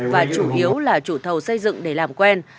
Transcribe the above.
và chủ yếu là chủ thầu xây dựng để làm quen